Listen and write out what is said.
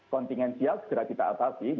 kontingensial segera kita atasi